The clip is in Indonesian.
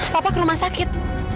papa ke rumah sakit